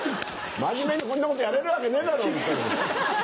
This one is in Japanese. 真面目にこんなことやれるわけねえだろホントに。